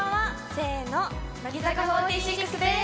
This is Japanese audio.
せーの、乃木坂４６です。